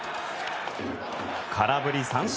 空振り三振。